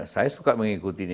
saya suka mengikuti